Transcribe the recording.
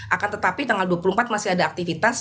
akan tetapi tanggal dua puluh empat masih ada aktivitas